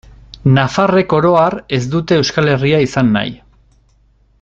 Nafarrek, oro har, ez dute Euskal Herria izan nahi.